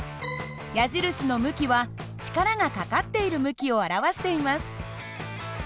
矢印の向きは力がかかっている向きを表しています。